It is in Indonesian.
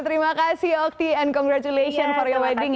oke terima kasih okti and congratulations for your wedding ya